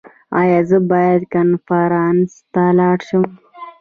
ایا زه باید کنفرانس ته لاړ شم؟